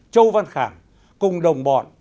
châu văn khảng cùng đồng bọn